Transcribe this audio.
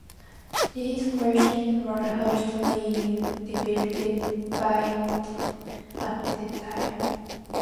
These questions were hotly debated at the time.